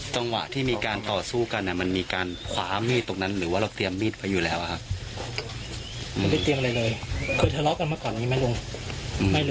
ต้องกินเหล้าเขาแล้วเขาด่าเรา